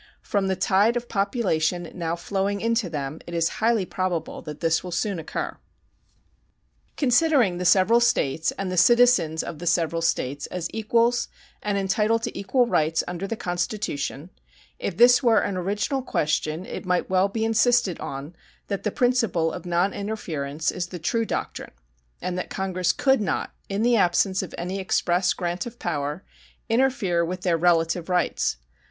From the tide of population now flowing into them it is highly probable that this will soon occur. Considering the several States and the citizens of the several States as equals and entitled to equal rights under the Constitution, if this were an original question it might well be insisted on that the principle of noninterference is the true doctrine and that Congress could not, in the absence of any express grant of power, interfere with their relative rights.